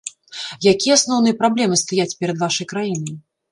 Якія асноўныя праблемы стаяць перад вашай краінай?